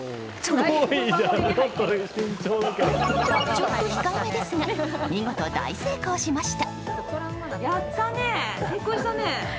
ちょっと控えめですが見事大成功しました。